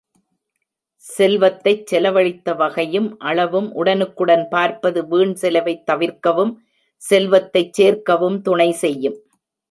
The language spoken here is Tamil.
செல்வத்தைச் செலவழித்த வகையும், அளவும், உடனுக்குடன் பார்ப்பது வீண் செலவைத் தவிர்க்கவும், செல்வத்தைச் சேர்க்கவும், துணை செய்யும்.